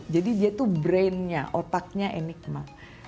jadi dia tuh brain nya otaknya enigma